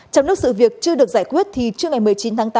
trong lúc sự việc chưa được giải quyết thì trước ngày một mươi chín tháng tám